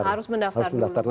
ya harus mendaftar